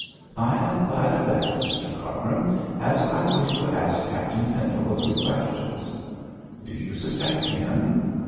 'I am glad of that, Mr Cargrim, as I wish to ask Captain Pendle a few questions.' 'Do you suspect him?'